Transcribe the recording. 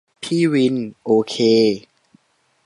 พี่วิน : โอเค